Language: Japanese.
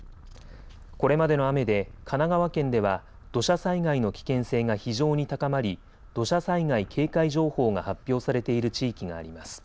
これまでの雨で神奈川県では土砂災害の危険性が非常に高まり土砂災害警戒情報が発表されている地域があります。